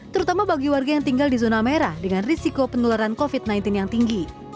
terutama bagi warga yang tinggal di zona merah dengan risiko penularan covid sembilan belas yang tinggi